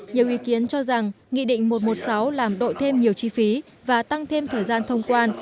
nhiều ý kiến cho rằng nghị định một trăm một mươi sáu làm đội thêm nhiều chi phí và tăng thêm thời gian thông quan